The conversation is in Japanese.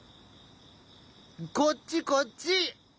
こっちこっち！